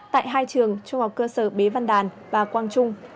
tại hai trường trung học cơ sở bế văn đàn và quang trung